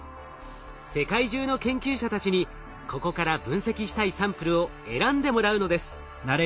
世界中の研究者たちにここから分析したいサンプルを選んでもらうのです。